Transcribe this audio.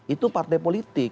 itu partai politik